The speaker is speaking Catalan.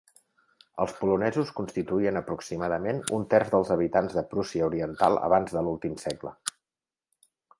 Els polonesos constituïen aproximadament un terç dels habitants de Prússia Oriental abans de l'últim segle.